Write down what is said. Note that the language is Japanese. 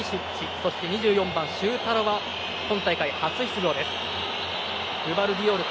そして２４番シュータロは今大会、初出場です。